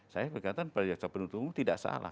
saya berkata pada saat penuntun tidak salah